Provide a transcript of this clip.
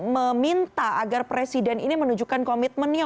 meminta agar presiden ini menunjukkan komitmennya